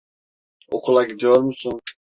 Okula gidiyor musun?